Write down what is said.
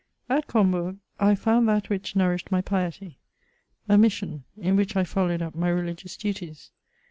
At Combourg, I found that which nourished my piety — a mission, in which I followed up my religious duties.